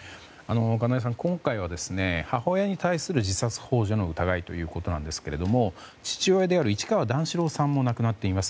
今回は母親に対する自殺幇助の疑いということですが父親である市川段四郎さんも亡くなっています。